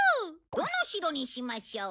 どの城にしましょう？